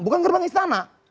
bukan gerbang istana